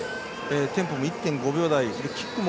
テンポは１．５秒台。